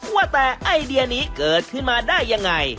ว่าแต่ไอเดียนี้เกิดขึ้นมาได้ยังไง